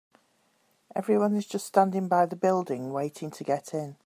Everyone is just standing by the building, waiting to get in.